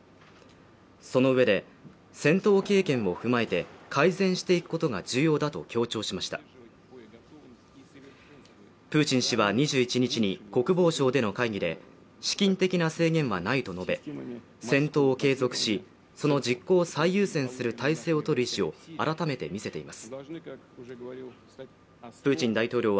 そのうえで戦闘経験も踏まえて改善していくことが重要だと強調しましたプーチン氏は２１日に国防省での会議で資金的な制限はないと述べ戦闘を継続しその実行を最優先する体制を取る意思を改めて示しています。